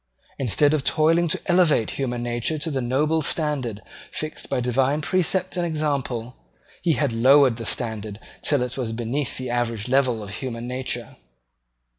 Instead of toiling to elevate human nature to the noble standard fixed by divine precept and example, he had lowered the standard till it was beneath the average level of human nature.